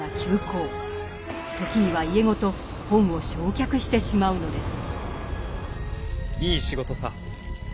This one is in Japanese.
時には家ごと本を焼却してしまうのです。